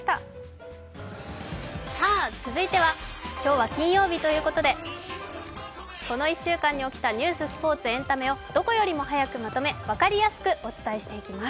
続いては今日は金曜日ということでこの１週間に起きたニュース、スポーツ、エンタメをどこよりも早くまとめ、分かりやすくお伝えしていきます。